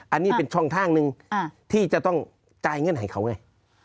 อันนี้เป็นช่องทางหนึ่งที่จะต้องจ่ายเงื่อนไขเขาไง